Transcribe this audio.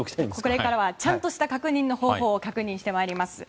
これからはちゃんとした確認の方法を確認していきます。